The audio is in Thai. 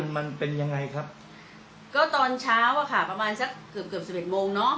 มันเป็นยังไงครับก็ตอนเช้าอะค่ะประมาณสักเกือบเกือบสิบเอ็ดโมงเนอะ